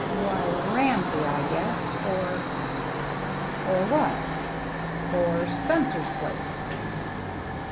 " Why, Ramsey, I guess, or —" "Or— what?" " Or — Spencer's place."